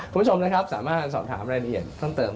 คุณผู้ชมนะครับสามารถสอบถามรายละเอียดเพิ่มเติม